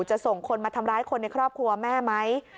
จะส่งคนมาทำร้ายคนในครอบครัวแม่ไหม